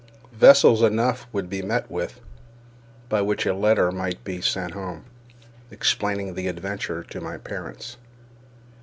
Vessels enough would be met with by which a letter might be sent home explaining the adventure to my parents.